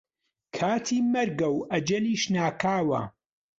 کاتی مەرگە و ئەجەلیش ناکاوە